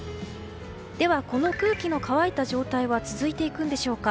では、この空気の乾いた状態は続いていくんでしょうか。